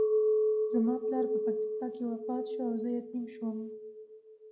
زما پلار په پکتیکا کې وفات شو او زه یتیم شوم.